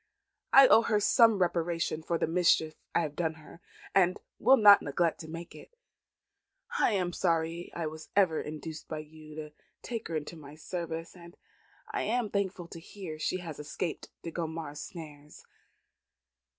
I owe her some reparation for the mischief I have done her, and will not neglect to make it. I am sorry I ever was induced by you to take her into my service; and I am thankful to hear she has escaped De Gondomar's snares."